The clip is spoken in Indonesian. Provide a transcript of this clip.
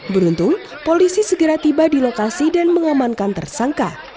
beruntung polisi segera tiba di lokasi dan mengamankan tersangka